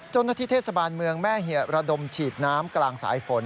เจ้าหน้าที่เทศบาลเมืองแม่เหียระดมฉีดน้ำกลางสายฝน